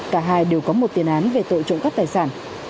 cả hai đều có một tiền án về tội trộm cắp tài sản